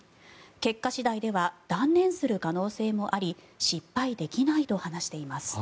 結果次第では断念する可能性もあり失敗できないと話しています。